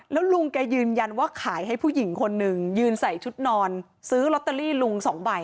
แล้วลุงแกยืนยันว่าขายให้ผู้หญิงคนหนึ่งยืนใส่ชุดนอนซื้อลอตเตอรี่ลุงสองใบ